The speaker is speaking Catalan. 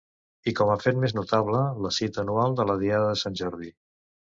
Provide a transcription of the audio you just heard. I com a fet més notable, la cita anual de la Diada de Sant Jordi.